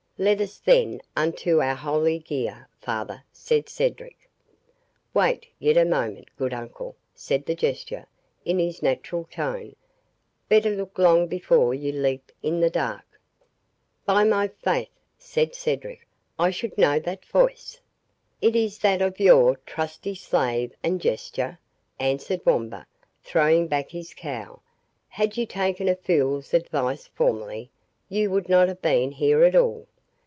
"Let us then unto our holy gear, father," said Cedric. "Wait yet a moment, good uncle," said the Jester, in his natural tone; "better look long before you leap in the dark." "By my faith," said Cedric, "I should know that voice!" "It is that of your trusty slave and jester," answered Wamba, throwing back his cowl. "Had you taken a fool's advice formerly, you would not have been here at all.